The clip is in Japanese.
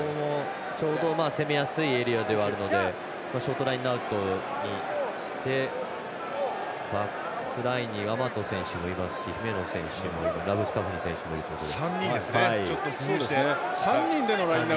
ちょうど攻めやすいエリアではあるのでショートラインアウトにしてバックスラインにラブスカフニ選手などもいるということで。